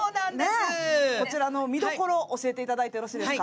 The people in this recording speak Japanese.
こちらの見どころ教えていただいてよろしいですか。